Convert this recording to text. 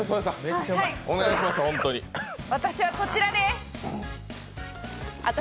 私はこちらです。